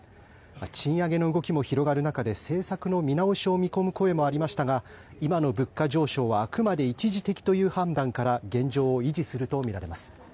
賃上げの動きも広がる中で政策の見直しを見込む声もありましたが今の物価上昇はあくまで一時的という判断から現状を維持するとみられます。